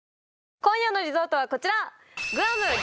今夜のリゾートはこちら！